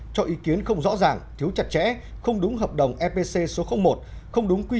cho ý kiến không rõ ràng thiếu chặt chẽ không đúng hợp đồng fpc số một